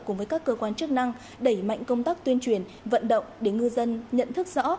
cùng với các cơ quan chức năng đẩy mạnh công tác tuyên truyền vận động để ngư dân nhận thức rõ